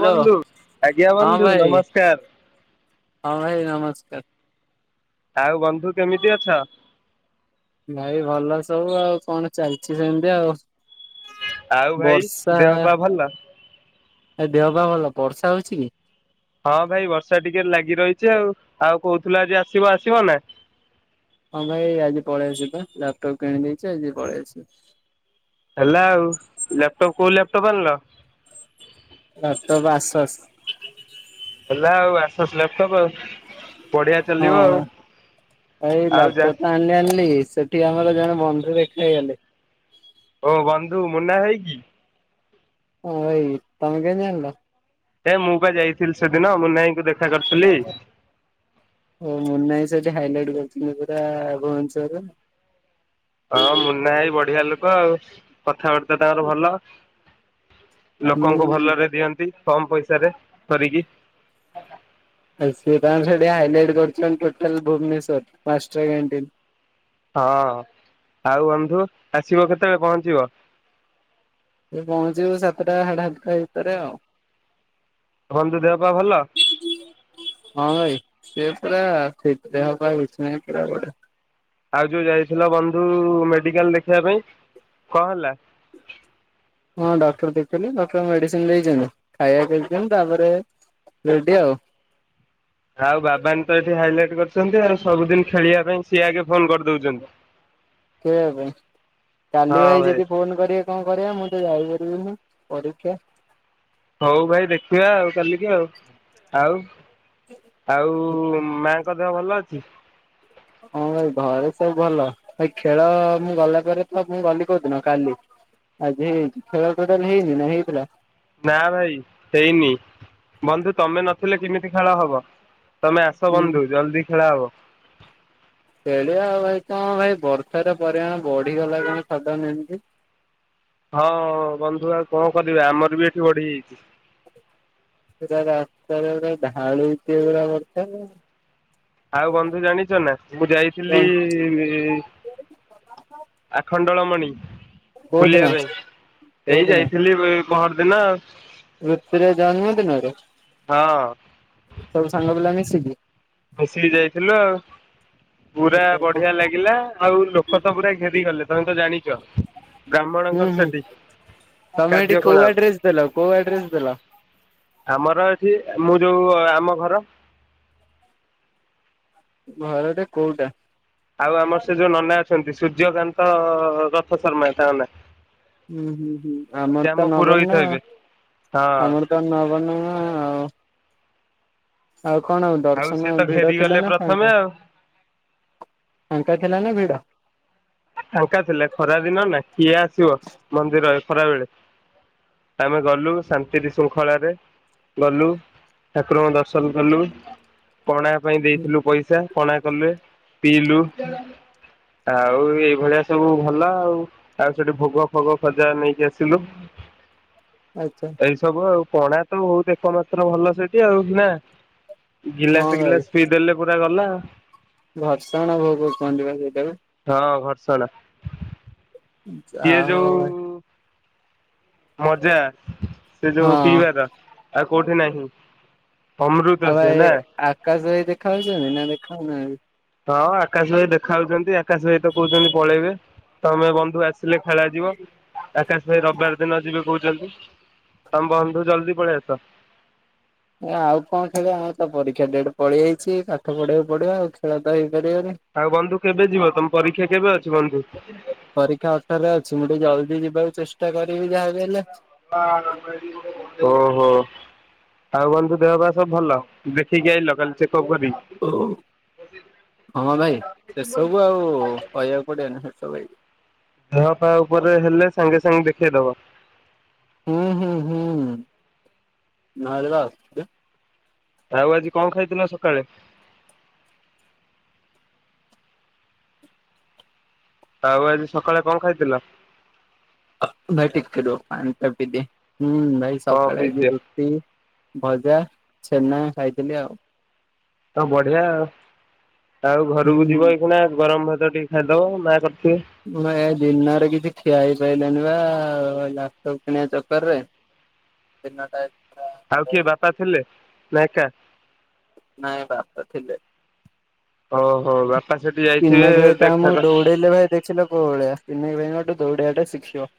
ଜ୍ ବନ୍ଧୁ ଆଜ୍ଞା ହଁ ବନ୍ଧୁ ଭାଇ ନମସ୍କାର। ହଁ ଭାଇ ନମସ୍କାର। ଆଉ ବନ୍ଧୁ କେମିତି ଅଛ? ଭାଇ ଭଲ ସବୁ ଆଉ କଣ ଚାଲିଛି ସେମିତି ଆଉ। ଆଉ ଭାଇ ବର୍ଷା ଦେହ ପା ଭଲ। ଏ ଦେହ ପା ଭଲ ବର୍ଷା ହଉଛି କି? ହଁ ଭାଇ ବର୍ଷା ଟିକେ ଲାଗି ରହିଛି ଆଉ ଆଉ କହୁଥିଲ ଆଜି ଆସିବ ଆସିବ ନା। ହଁ ଭାଇ ଆଜି ପଳେଇ ଆସିବି ବା ଲାପଟପ୍ କିଣିଦେଇଛି ଆଜି ପଳେଇ ଆସିବି। ହେଲା ଆଉ ଲ୍ୟାପଟପ୍ କୋଉ ଲ୍ୟାପଟପ୍ ଆଣିଲ। Laptop Asus. ହେଲା ଆଉ ଆସସ୍ ଲାପଟପ୍ ଆଉ। ବଢିଆ ହଁ ଚାଲିବ ଆଉ ଆଉ ଯା ଆଣଲି ଆଣଲି ସେଠି ଆମର ଜଣେ ବନ୍ଧୁ ଦେଖା ହେଇଗଲେ। ଓ ବନ୍ଧୁ ମୁନା ଭାଇ କି? ହଁ ଭାଇ ତମେ କେମିତି ଜାଣଲ। ଏ ମୁଁ ବା ଯାଇଥିଲି ସେଦିନ ମୁନା ଆଇ ଙ୍କୁ ଦେଖା କରିଥିଲି। ଓ ମୁନାଆଇ ସେଠି ହାଇଲାଇଟ କରିୁଥିଲେ ପୁରା ଭୁବନେଶ୍ଵର ରେ। ହଁ ମୁନା ଆଇ ବଢିଆ ଲୋକ ଆଉ କଥାବାର୍ତ୍ତା ତାଙ୍କର ଭଲ। ଲୋକଙ୍କୁ ହୁଁ। ଭଲରେ ଦିଅନ୍ତି କମ ପଇସାରେ କରିକି। ଆ ସେ ତାଙ୍କ ସେଠି ହାଇଲାଇଟ କରୁଚ ଟୋଟାଲ ଭୁବନେଶ୍ୱର ମାଷ୍ଟର କ୍ୟାଣ୍ଟିନ୍। ହଁ ଆଉ ବନ୍ଧୁ ଆସିବ କେତେବେଳେ ପହଞ୍ଚିବ। ଏ ପହଞ୍ଚିବି ସାତଟା ସାଢେ ସାତଟା ଭିତରେ ଆଉ। ବନ୍ଧୁ ଦେହ ପା ଭଲ। ହଁ ଭାଇ ସିଏ ପୁରା ସେଥି ଦେହ ପା କିଛି ନାଇଁ ପୁରା ଭଲ। ଆଉ ଯୋଉ ଯାଇଥିଲ ବନ୍ଧୁ ମେଡ଼ିକାଲ ଦେଖେବା ପାଇଁ କଂ ହେଲା। ହଁ ଡକ୍ଟର ଦେଖିଲି ଡକ୍ଟର ମେଡିସିନ ଦେଇଚନ୍ତି ଖାଇବାକୁ ଦେଚନ୍ତି ତାପରେ ରେଡି ଆଉ। ଆଉ ବାବାନ ତ ଏଠି ହାଇଲାଇଟ କରୁଚନ୍ତି ଆଉ ସବୁଦିନ ଖେଳିବା ପାଇଁ ସିଏ ଆଗେ ଫୋନ କରିଦଉଛନ୍ତି। [inaudible] ଖେଳିବା ପାଇଁ କାଲି ଭାଇ ଯଦି ଫୋନ କରିବେ କଣ କରିବା ମୁଁ ତ ଯାଇପାରିବିନି ପରୀକ୍ଷା। ହଉ ଭାଇ ଦେଖିବା ଆଉ କାଲିକି ଆଉ ଆଉ ଆଉ ମା ଙ୍କ ଦେହ ଭଲ ଅଛି। ହଁ ଭାଇ ଘରେ ସବୁ ଭଲ ଭାଇ ଖେଳ ମୁଁ ଗଲା ପରେ ତ ମୁଁ ଗଲି କୋଉଦିନ କାଲି। ଆଜି ଖେଳ ଟୋଟାଲ ହେଇନି ନା ହେଇଥିଲା। ନା ଭାଇ ହେଇନି ବନ୍ଧୁ ତମେ ନଥିଲେ କିମିତି ଖେଳ ହବ? ତମେ ଆସ ହୁଁ ବନ୍ଧୁ ଜଲଦି ଖେଳା ହବ। ଖେଳିବା ଆଉ ଭାଇ ତ ଭାଇ ବର୍ଷାର ପରିମାଣ ବଢିଗଲା କଣ ସଡନ୍ ଏମିତି। ହଁ ବନ୍ଧୁ ଆଉ କଣ କରିବା ଆମର ବି ଏଠି ବଢିଯାଇଛି। ପୁରା ରାସ୍ତାରେ ପୁରା ଢାଳୁଚି ପୁରା ବର୍ଷା। ଆଉ ବନ୍ଧୁ ଜାଣିଚ ନା ମୁଁ କଣ ଯାଇଥିଲି ଇ ଆଖଣ୍ଡଳମଣି କୋଉଦିନ ବୁଲିବା ପାଇଁ ଏଇ କୋଉଦିନ ଯାଇଥିଲି ବି ପହର ଦିନ ଆଉ। ତୃପ୍ତିର ଜନ୍ମଦିନରେ। ହଁ। ସବୁ ସାଙ୍ଗ ପିଲା ମିସିକି। ମିଶିକି ଯାଇଥିଲୁ ଆଉ ପୁରା ବଢିଆ ଲାଗି ଲା ଆଉ ଲୋକ ତ ପୁରା ଘେରିଗଲେ ତମେ ତ ଜାଣିଚ। ହୁଁ ବ୍ରାହ୍ମଣଙ୍କର ହୁଁ ସେଠି ତମେ ଏଠି କୋଉ କାର୍ଯ୍ୟକଳାପ। ଆଡ୍ରେସ ଦେଲ କଉ ଆଡ୍ରେସ୍ ଦେଲ? ଆମର ଏଠି ମୁଁ ଯଉ ଆମ ଘର ଘରଟେ କଉଟା? ଆଉ ଆମର ସେ ଯଉ ନନା ଅଛନ୍ତି ସୂର୍ଯ୍ୟକାନ୍ତ ରଥ ଶର୍ମା ତାଙ୍କ ନା। ହୁଁ -ହୁଁ -ହୁଁ ଆମର ତ ପୁରୋହିତ ନବନି ଆଉ ହେବେ ହଁ ଆମର ତ ନବାର ନାହିଁ ଆଉ। ଆଉ କଣ ଆଉ ସିଏ ଦର୍ଶନ ତ ଭିଡ ଘେରିଗଲେ ଥିଲା ନା ପ୍ରଥମେ ଫାଙ୍କା? ଆଉ ଫାଙ୍କା ଥିଲା ନା ଭିଡ? ଫାଙ୍କା ଥିଲା ଖରାଦିନ ନା କିଏ ଆସିବ ମନ୍ଦିର ଏ ଖରା ବେଳେ। ଆମେ ଗଲୁ ଶାନ୍ତି ଶୃଙ୍ଖଳାରେ ଗଲୁ ଠାକୁରଙ୍କୁ ଦର୍ଶନ କଲୁ ପଣା ପାଇଁ ଦେଇଥିଲୁ ପଇସା। ଜା ପଣା କଲେ ପିଇଲୁ ଆଉ ଏ ଭଳିଆ ସବୁ ଭଲ ଆଉ -ଆଉ ସେଠୁ ଭୋଗ ଫୋଗ ଖଜା ନେଇକି ଆସିଲୁ। ଆଚା। ଏଇ ସବୁ ଆଉ ପଣା ତ ବହୁତ୍ ଏକମାତ୍ର ଭଲ ସେଠି ଆଉ ନା। ହଁ ଗିଲାସେ ଭାଇ ଗିଲାସେ ପିଇ ଦେଲେ ପୁରା ଗଲା। ଘର୍ଷଣ ଭୋଗ କୁହନ୍ତିି ବା ସେଇଟାକୁ। ହଁ ଘର୍ଷଣ। ସିଏ ଯୋଉ ଯାହଉ ଭାଇ। ମଜା ସେ ଯଉ ଆଉ ପିଇବାର ଆଉ କଉଠି ନାହିଁ। ଅମୃତ ଆଉ ସିଏ ଭାଇ ନା। ଆକାଶ ଭାଇ ଦେଖାଉଛନ୍ତି ନା ଦେଖାହଉ ନାହାଁନ୍ତି? ହଁ ଆକାଶ ଭାଇ ଦେଖା ହଉଚନ୍ତି। ଆକାଶ ଭାଇ ତ କହୁଚନ୍ତି ତ ପଳେଇବେ। ତମେ ବନ୍ଧୁ ଆସିଲେ ଖେଳାଯିବ ଆକାଶ ଭାଇ ରବିବାରେ ଦିନ ଯିବେ କହୁଚନ୍ତି। ତମେ ବନ୍ଧୁ ଜଲ୍ଦି ପଳେଇ ଆସ। ଏ ଆଉ କଣ ଖେଳିବା ଆମର ତ ପରୀକ୍ଷା ଡେଟ୍ ପଳେଇ ଆଇଚି ପାଠ ପଢିବାକୁ ପଡିବ ଆଉ ଖେଳ ତ ହେଇପାରିବନି। ଆଉ ବନ୍ଧୁ କେବେ ଯିବ ତମ ପରୀକ୍ଷା କେବେ ଅଛି ବନ୍ଧୁ? ପରୀକ୍ଷା ଅଠରରେ ଅଛି। ମୁଁ ଟିକେ ଜଲ୍ଦି ଯିବାକୁ ଚେଷ୍ଟା କରିବି ଯାହାବି ହେଲେ। ଓ ହୋ। ଆଉ ବନ୍ଧୁ ଦେହ ପା ସବୁ ଭଲ। ଦେଖିକି ଆଇଲ କାଲି ଚେକଅପ୍ କରି? ଓ ହଁ ଭାଇ ସେସବୁ ଆଉ କହିବାକୁ ପଡ଼ିବନି। ସେସବୁ ହେଇଚି। ଦେହ ପା ଉପରେ ହେଲେ ସାଙ୍ଗେ ସାଙ୍ଗେ ଦେଖେଇଦବ। ହୁଁ -ହୁଁ- ହୁଁ ନହଲେ ପା ଅସୁବିଧା। ଆଉ ଆଜି କଣ ଖାଇଥିଲ ସକାଳେ? ଆଉ ଆଜି ସକାଳେ କଣ ଖାଇଥିଲ? ଭାଇ ଟିକେ ରୁହ ପାଣି ଟା ପି ଦିଏ ହୁଁ ଭାଇ ହଁ ସକାଳେ ଆଜି ପିଜା ରୁଟ୍ ରୁଟି, ଭଜା, ଛେନା ଖାଇଥିଲି ଆଉ। ତ ବଢିଆ ଆଉ- ଆଉ ହୁଁ। ଘରକୁ ଯିବ ଏଇ ଖଣା ଗରମ ଭାତ ଟିକେ ଖାଇଦବ ମା କରିଥିବେ। ନା ଏ ଦିନରେ କିଛି ଖିଆ ହେଇ ପାରିଲାନି ବା ଲାପଟପ୍ କିଣିବା ଚକର୍ ରେ। ଦିନଟା ଆଉ କିଏ ବାପା ଥିଲେ ନା ଏକା? ନାଇଁ ବାପା ଥିଲେ। ଓ ହୋ ବା ପିନାକ୍ ଭାଇ ତା [unintelligible] ଦୌଡେଇଲେ ଭାଇ ଦେଖିଲ କଉ ଭଳିଆ ପିନାକ୍ ଭାଇଙ୍କଠୁ ଦୌଡିବାଟା ଶିଖିବ।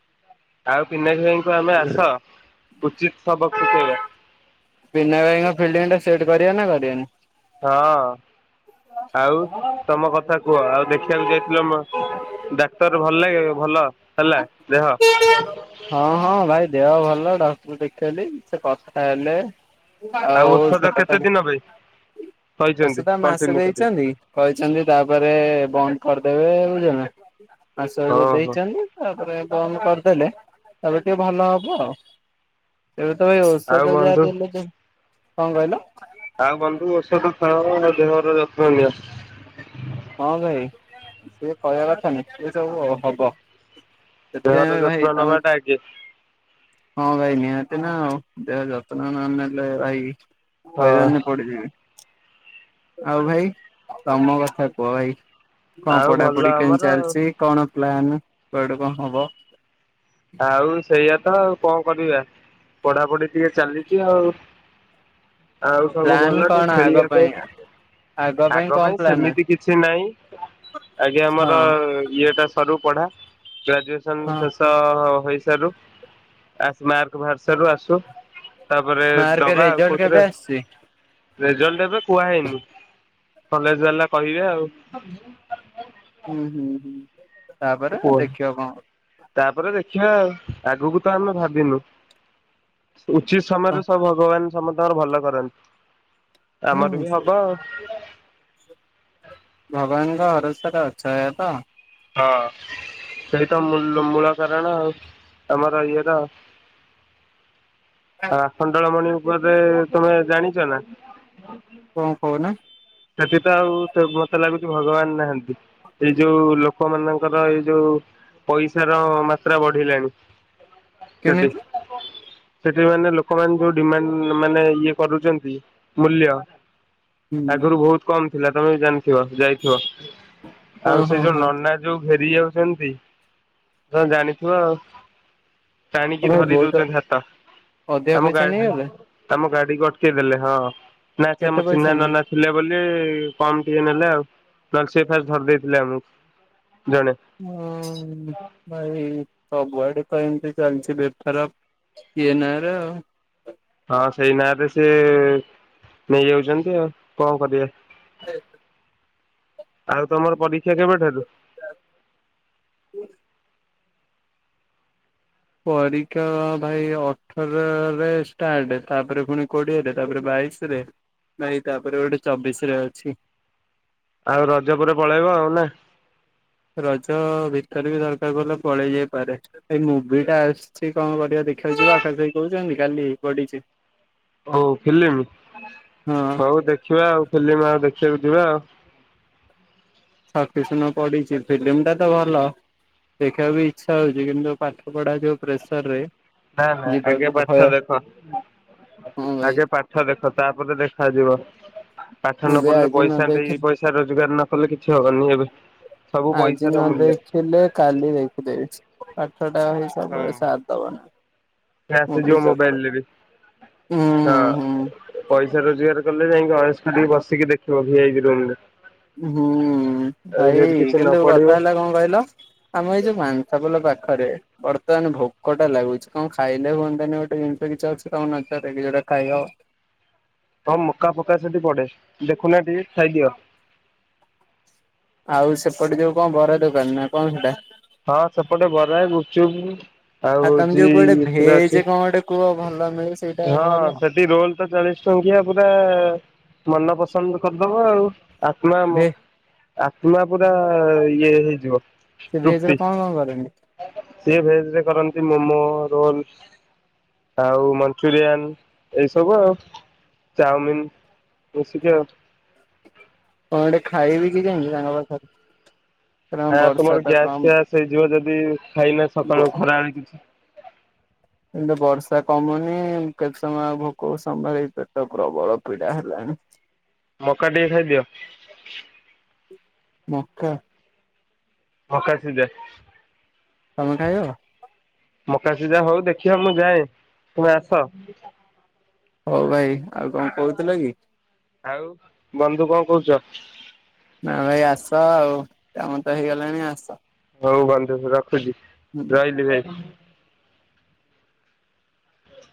ଆଉ ପନାକ୍ ଭାଇଙ୍କୁ ଆମେ ଆସ ଉଚିତ୍ ସବକ୍ ଶିଖେଇବା। ପିନା ଭାଇଙ୍କ ଫିଲଡିଙ୍ଗ୍ ଟା ସେଟ୍ କରିବା ନା କରିବାନି? ହଁ, ଆଉ ତମ କଥା କୁହ ଆଉ ଦେଖିବାକୁ ଯାଇଥିଲ ମ ଡାକ୍ତର ଭଲ ଲାଗେ ଭଲ ହେଲା ଦେହ। ହଁ-ହଁ, ଭାଇ ଦେହ ଭଲ ଡକ୍ଟର ଦେଖେଇଲି ସେ କଥା ହେଲେ। ଆଉ ଔଷଧ ସେ କଥା କେତେ ଦିନ ପାଇଁ ହେଇକି କହିଛନ୍ତି ଔଷଧ ମାସେ କଣ୍ଟିନ୍ୟୁ କରିବେ ଦେଇଛନ୍ତି। କହିଛନ୍ତି ତାପରେ ବନ୍ଦ କରିଦେବେ ବୁଝିଲ ନା ମାସେ ତ ଓହୋ ଦେଇଛନ୍ତି। ତାପରେ ବନ୍ଦ କରିଦେଲେ ତାପରେ ଟିକେ ଭଲ ହବ ଆଉ। ଏବେ ତ ଭାଇ ଆଉ ଔଷଧ ଯା ବନ୍ଧୁ ଦେଲେ ଦେଲେ, କଣ କହିଲ? ଆଉ ବନ୍ଧୁ ଔଷଧ ଖାଅ ଆଉ ଦେହର ଯତ୍ନ ନିଅ। ହଁ ଭାଇ ସିଏ କହିବା କଥା ନୁହେଁ ଏ ସବୁ ହବ। ଦେହର ସେଥିପାଇଁ ଯତ୍ନ ଭାଇ ତମେ ନବାଟା ଆଗେ ହଁ ଭାଇ ନିହାତି ନା ଆଉ, ଦେହ ଯତ୍ନ ନ ନେଲେ ଭାଇ ହଁ ହଇରାଣରେ ପଡିଯିବି। ଆଉ ଭାଇ, ତମ କଥା କୁହ ଭାଇ, କଣ ଆଉ ଭଲ ପଢାପଢି ଆମର କେମତି ଆଉ ଚାଲିଛି? କଣ ପ୍ଲାନ କୁଆଡୁ କଣ ହବ? ଆଉ ସେଇଆ ତ ଆଉ କଣ କରିବା ପଢାପଢି ଟିକେ ଚାଲିଛି ଆଉ। ଆଉ ସବୁ ପ୍ଲାନ୍ ଭଲ କଣ ଟିକେ ଆଗ ଖେଳିବା ପାଇଁ ଆଗ କଣ ପାଇଁ ପ୍ଲାନ୍ ଅଛି ସେମିତି କିଛି ନାହିଁ। ଆଜ୍ଞା ହଁ ଆମର ଇଏଟା ସରୁ ପଢା ଗ୍ରାଜୁଏସନ ହଁ ଶେଷ ହଁ ହୋଇସାରୁ କ୍ଲାସ୍ ମାର୍କ ବାହାର୍ ସାରୁ ଆସୁ। ତାପରେ ମାର୍କ ଦବା ଆଉ ରେଜଲ୍ଟ କେବେ କୋଉଥିରେ। ଆସିଛି? ରେଜଲ୍ଟ ଏବେ କୁହା ହେଇନି କଲେଜ ବାଲା କହିବେ ଆଉ। ହୁଁ-ହୁଁ-ହୁଁ, ତାପରେ କୁହ ଦେଖିବ କଣ। ତାପରେ ଦେଖିବା ଆଉ, ଆଗକୁ ତ ଆମେ ଭାବିନୁ। ଉଚିତ୍ ସମୟରେ ସବୁ ଭଗବାନ ସମସ୍ତଙ୍କର ଭଲ କରନ୍ତି, ଆମର ହୁଁ ବି ହବ। ଭଗବାନଙ୍କ ଭରସାରେ ଅଛ, ଏଇଆ ତ? ହଁ, ସେଇତ ମୂଲ୍ ମୂଳ କାରଣ ଆଉ ଆମର ଇଏ ର। ଆ ଆଖଣ୍ଡଳମଣି ଉପରେ ତମେ ଜାଣିଛ ନା? କଣ କହୁନା? ସେଠ ତ ଆଉ ସେ ମତେ ଲାଗୁଛି ଭଗବାନ ନାହାନ୍ତି। ଏଇ ଯୋଉ ଲୋକମାନଙ୍କର ଏଇ ଯୋଉ ପଇସର ମାତ୍ରା ବଢିଲାଣି, ସେଠି। କେମିତି? ସେଠି ମାନେ ଲୋକମାନେ ଯୋଉ ଡିମାଣ୍ଡ ମାନେ ଇଏ କରୁଛନ୍ତି ମୂଲ୍ୟ। ହୁଁ ଆଗରୁ ବହୁତ କମ୍ ଥିଲା ତମେ ବି ଜାଣିଥିବ ଯାଇଥିବ, ହଁ ଆଉ ସେ ହଁ ଯୋଉ ହଁ ନନା ଯୋଉ ଘେରି ଯାଉଛନ୍ତି ତମେ ଜାଣିଥିବ ଆଉ। ଟାଣିକି ତମେ ଧରି ବହୁତ ଦଉଛନ୍ତି ହାତ, ଅଧିକା ଆମ ପଇସା ଗାଡି ନେଇଗଲେ ଆମ ଗାଡିକୁ ଅଟକେଇ ଦେଲେ ହଁ, ନା ସେ କେତେ ଆମ ପଇସା ଚିହ୍ନା ନେଇ ନନା ଥିଲେ ବୋଲି କମ୍ ଟିକେ ନେଲେ ଆଉ, ନହେଲେ ସେ ଫାଷ୍ଟ ଧରିଦେଇଥିଲେ ଆମକୁ ଜଣେ। ହୁଁଉଁଉ ଭାଇ ସବୁଆଡେ ତ ଏମିତି ଚାଲିଛି ବେପାର। ଇଏ ନାଆଁରେ ଆଉ। ହଁ ସେଇ ନାଆଁରେ ସେ ନେଇଯାଉଛନ୍ତି ଆଉ, କଣ କରିବା? ହୁ [unintelligible] ଆଉ ତମର ପରୀକ୍ଷା କେବେ ଠାରୁ? ହୁଁ [inaudible] ପରୀକ୍ଷା ଭାଇ ଅଠରରେ ଷ୍ଟାର୍ଟ ତାପରେ ପୁଣି କୋଡ଼ିଏରେ ତାପରେ ବାଇଶ୍ ଶିରେ ଭାଇ ତାପରେ ଗୋଟେ ଚବିଶରେ ଅଛି। ଆଉ ରଜ ପରେ ପଳେଇବ ଆଉ ନା। ରଜ ଭିତରେ ବି ଦରକାର ପଲେ ପଳେଇ ଯାଇପାରେ। ଏଇ ମୁଭି ଟା ଆସିଚି କଣ କରିବା ଦେଖାଯିବ ଆକାଶ ଭାଇ କହୁଛନ୍ତି କାଲି ପଡିଚି। ହୋଉ ଫିଲିମି ହଁ ହଉ ଦେଖିବା ଆଉ ଫିଲିମି ଆଉ ଦେଖିବାକୁ ଯିବା ଆଉ। ଛକିଶୁନ ପଡିଛି ଫିଲ୍ମ ଟା ତ ଭଲ। ଦେଖିଆକୁ ବି ଇଚ୍ଛା ହଉଛି କିନ୍ତୁ ପାଠ ପଢା ଯୋଉ ପ୍ରେସର ରେ। ନା ନା ଯିବାକୁ ଆଗେ ଭୟ ପାଠ ଦେଖ ହଁ ଭାଇ ଆଗେ ପା ଠ ଦେଖ ତାପରେ ଦେଖାଯିବ। ପାଠ ମୁଁ ନ ବି ପଢିଲେ ଆଜି ନ ପଇସା ଦେଇ ଦେଖିଲି ପଇସା ରୋଜଗାର ନ କଲେ କିଛି ହବନି ଏବେ। ସବୁ ପଇସାର ମୂଲ୍ୟ। ଥିଲେ କାଲି ଯାଇ କି ଦେବି ପାଠଟା ହେଇ ସବୁବେଳେ ସାରଦବା। ଏଟା ଆସିଯିବ ମୋବାଇଲରେ ବି ହୁଁ ହୁଁ ହଁ। ପଇସା ରୋଜଗାର କଲେ ଯାଇଁ ଅଏସ୍ କରିକି ବସିକି ଦେଖିବ ଭିଆଇପି ରୁମ ରେ। ହୁଁ ଭାଇ କିଛି ନ କିନ୍ତୁ ପଡିବ କଥା ହେଲା ଙ୍କ କହିଲ ଆମ ଏଇ ଯୋଉ ମାନ୍ସା ପୋଲ ପାଖରେ। ବର୍ତ୍ତମାନ ଭୋକଟା ଲାଗୁଛି କଣ ଖାଇଲେ ହୁଅନ୍ତାନି ଗୋଟେ ଜିନିଷ କିଛି ଅଛି ତମ ନଜରରେ କି ଯୋଉଟା ଖାଇହବ। ହଁ ମକା ଫକା ସେଠି ପଡେ ଦେଖୁନା ଟିକେ ଖାଇଦିଅ। ଆଉ ସେପଟେ ଯୋଉ କଂ ବରା ଦୋକାନ ନା କଣ ସେଟା? ହଁ ସେପଟେ ବରା ଗୁପଚୁପ ଆଉ ତମେ ହୋଉଚି ଯୋଉ କୁଆଡେ ଏଥୁରା ଭେଜ ଅଛି କଣ ଗୋଟେ କୁହ ଭଲ ମିଳେ ସେଇଟା ହଁ ଭଲ? ସେଠି ସେଠି ରୋଲ ତ ଚାଳିସି ଟଙ୍କିଆ ପୁରା ମନ ପସନ୍ଦ କରିଦବ ଆଉ। ଆତ୍ମା ମୋ ଭେ ଆତ୍ମା ପୁରା ଇଏ ହେଇଯିବ। ସେ ଭେଜ ରେ କଣ କଣ କରେ? ସେ ଭେଜ ରେ କରନ୍ତି ମୋମୋ ରୋଲ ଆଉ ମଞ୍ଚୁରିଆନ ଏଇ ସବୁ ଆଉ। ଚାଉମିିନ ବେସିକ୍ ଆଉ। କଣ ଗୋଟେ ଖାଇବି କି ଯାଇଙ୍କି ତାଙ୍କ ପାଖରେ? କାରଣ ହାଁ ବର୍ଷା ତମର ତ ଗ୍ୟାସ କମ ଫ୍ୟାସ୍ ହେଇଯିବ ଯଦି ଖାଇନା ବ ସକାଳୁ ଖରାବେଳେ କିଛି। କିନ୍ତୁ ବର୍ଷା କମୁନି ମୁଁ କେତେ ସମୟ ଆଉ ଭୋକକୁ ସମ୍ଭାଳିବି ପେଟ ପ୍ରବଳ ପୀଡା ହେଲାଣି। ମକା ଟିକେ ଖାଇଦିଅ। ମକା। ମକା ସିଜା। ତମେ ଖାଇବ? ମକା ସିଜା ହଉ ଦେଖିଆ ମୁଁ ଯାଏ ତୁମେ ଆସ। ହୋଉ ଭାଇ ଆଉ କଂ କହୁଥିଲ କି? ଆଉ ବନ୍ଧୁ କଂ କହୁଚ? ନା ଭାଇ ଆସ ଆଉ କାମ ତ ହେଇଗଲାଣି ଆସ। ହୋଉ ବନ୍ଧୁ ରଖୁଚି ହୁଁ। ରହିଲି ଭାଇ।